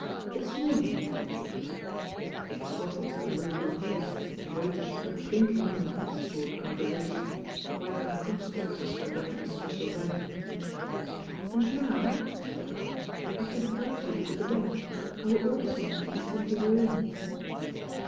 "This morning," she replied. It was obvious that the little group of guests and waiters were drinking in this short conversation, quite unconscious that it was for their especial benefit. "And now," said the girl, "I should advise you to go to bed. I will order something to be sent to your room."